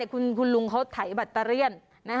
คุณลุงเขาถ่ายบัตรเรียน